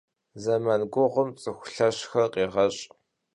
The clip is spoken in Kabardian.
Зэман гугъум цӏыху лъэщхэр къегъэщӏ.